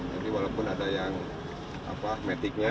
jadi walaupun ada yang matic nya